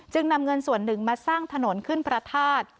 นำเงินส่วนหนึ่งมาสร้างถนนขึ้นพระธาตุ